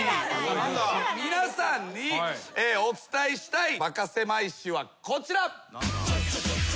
皆さんにお伝えしたいバカせまい史はこちら。